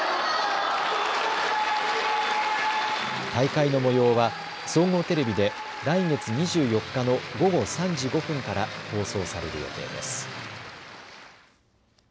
大会のもようは総合テレビで来月２４日の午後３時５分から放送される予定です。